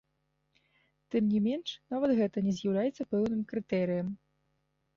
Тым не менш, нават гэта не з'яўляецца пэўным крытэрыем.